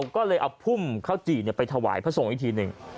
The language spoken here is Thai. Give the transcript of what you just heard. ก็เลยเอาพุ่มข้าวจี่ไปถวายพระทรงอีกทีหนึ่ง